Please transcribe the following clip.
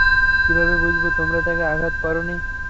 কিভাবে বুঝব তোমরা তাকে আঘাত করনি?